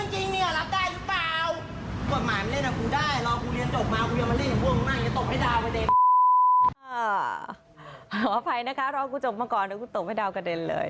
หอภัยนะค่ะรอมาก่อนเลยกูตบให้ดาวกระเด็นเลย